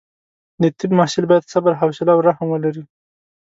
د طب محصل باید صبر، حوصله او رحم ولري.